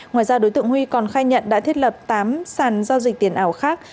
ngoài ra đối tượng huy còn khai nhận đã thiết lập tám sàn giao dịch tiền ảo khác